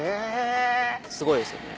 ・・スゴいですよね